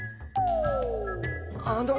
あの。